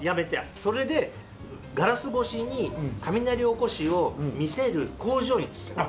それでガラス越しに雷おこしを見せる工場にしたの。